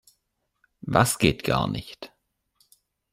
Was geht gar nicht?